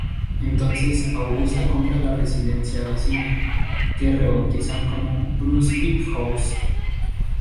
Entonces Augusta compra la residencia vecina, que rebautiza como Brunswick House.